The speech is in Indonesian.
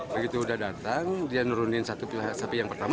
begitu udah datang dia nurunin satu sapi yang pertama